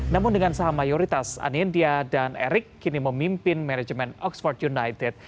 namun dengan saham mayoritas anindya dan erick kini memimpin manajemen oxford united